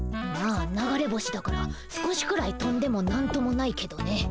まあ流れ星だから少しくらいとんでも何ともないけどね。